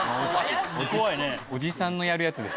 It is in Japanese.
おじさんのやるやつですよ。